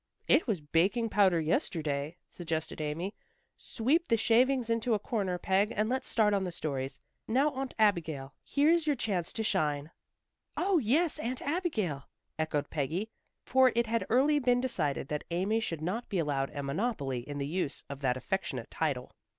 "It was baking powder yesterday," suggested Amy. "Sweep the shavings into a corner, Peg, and let's start on the stories. Now, Aunt Abigail, here's your chance to shine." "Oh, yes, Aunt Abigail," echoed Peggy, for it had early been decided that Amy should not be allowed a monopoly in the use of that affectionate title.